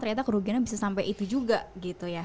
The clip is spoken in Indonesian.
ternyata kerugiannya bisa sampai itu juga gitu ya